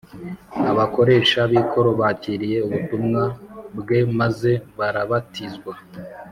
abakoresha b’ikoro bakiriye ubutumwa bwe maze barabatizwa